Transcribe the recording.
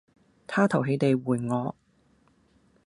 他淘氣地回我